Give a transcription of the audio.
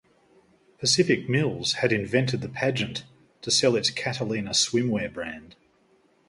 Pacific Mills had invented the pageant to sell its Catalina Swimwear brand.